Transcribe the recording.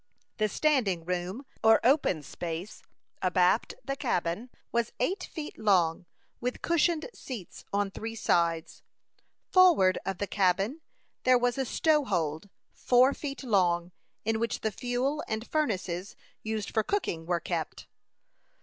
The standing room, or open space abaft the cabin, was eight feet long, with cushioned seats on three sides. Forward of the cabin there was a "stow hold," four feet long, in which the fuel and furnaces used for cooking were kept.